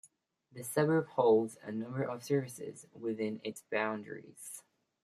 The suburb holds a number of services within its boundaries.